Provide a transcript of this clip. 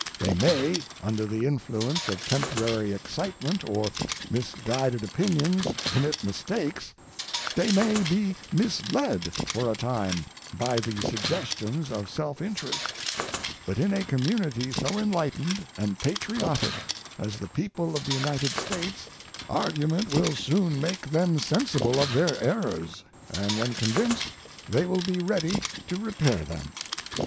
They may, under the influence of temporary excitement or misguided opinions, commit mistakes; they may be misled for a time by the suggestions of self interest; but in a community so enlightened and patriotic as the people of the United States argument will soon make them sensible of their errors, and when convinced they will be ready to repair them.